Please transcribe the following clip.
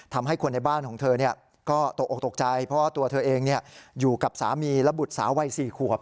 ทำให้คนในบ้านของเธอเนี่ยก็ตกตกใจเพราะตัวเธอเองเนี่ยอยู่กับสามีและบุษสาวัย๔ขวบ